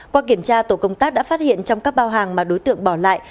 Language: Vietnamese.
qua kiểm tra tổ công tác đã phát hiện trong các bao hàng mà đối tượng bỏ lại